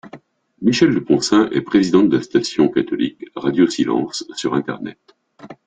Michel de Poncins est président de la station catholique Radio Silence sur Internet.